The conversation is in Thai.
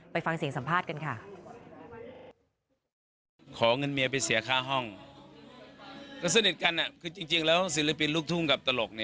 ไปฟังเสียงสัมภาษณ์กันค่ะ